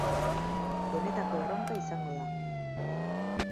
Benetako erronka izango da.